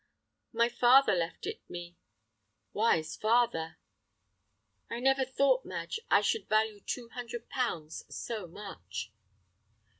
"My father left it me." "Wise father!" "I never thought, Madge, I should value two hundred pounds so much."